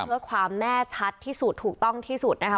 เพื่อความแน่ชัดที่สุดถูกต้องที่สุดนะคะ